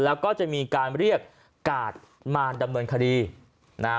แล้วก็จะมีการเรียกกาดมาดำเนินคดีนะฮะ